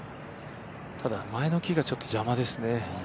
ただ前の木がちょっと邪魔ですね。